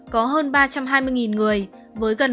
có hơn ba trăm hai mươi người với gần một sáu trăm linh